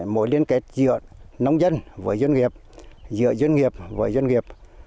mối liên kết giữa nông dân với doanh nghiệp giữa doanh nghiệp với doanh nghiệp